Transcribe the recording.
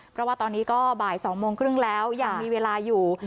เพราะว่าตอนนี้ก็บ่าย๒โมงครึ่งแล้วยังมีเวลาอยู่